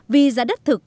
vì giá đất thực